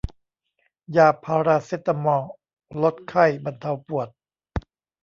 ยาพาราเซตามอล ลดไข้ บรรเทาปวด